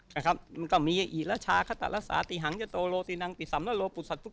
มันก็มีแล้วชาขตระลักษณะติหังจะโตโลตินังติสำนักโลปุศัพท์